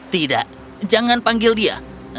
tidak jangan panggil dia